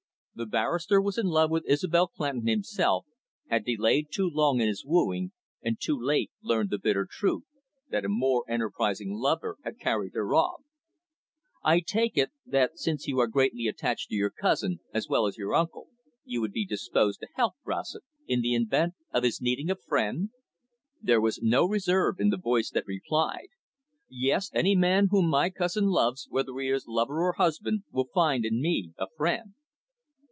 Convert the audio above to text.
The barrister was in love with Isobel Clandon himself, had delayed too long in his wooing, and too late learned the bitter truth, that a more enterprising lover had carried her off. "I take it that since you are greatly attached to your cousin, as well as your uncle, you would be disposed to help Rossett, in the event of his needing a friend?" There was no reserve in the voice that replied. "Yes, any man whom my cousin loves, whether he is her lover or husband, will find in me a friend."